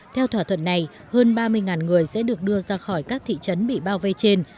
theo thỏa thuận này hơn ba mươi người sẽ được đưa ra khỏi các thị trấn bị bao vây trên